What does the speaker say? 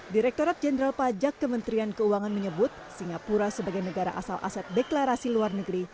direkturat jenderal pajak kementerian keuangan menyebut singapura sebagai negara asal aset deklarasi luar negeri